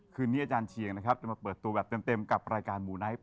คืนนี้อาจารย์เชียงนะครับจะมาเปิดตัวแบบเต็มกับรายการหมู่ไนท์